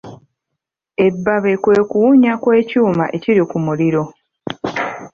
Ebbabe kwe kuwunya kw’ekyuma ekiri ku muliro.